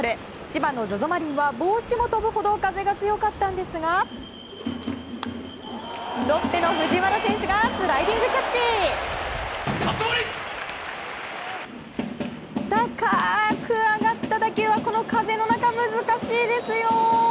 千葉のＺＯＺＯマリンは帽子も飛ぶほど風が強かったんですがロッテの藤原選手がスライディングキャッチ！高く上がった打球はこの風の中、難しいですよ。